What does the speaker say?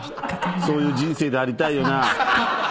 そういう人生でありたいよな。